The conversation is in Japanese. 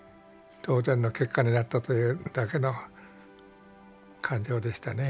当然の結果になったというだけの感情でしたね。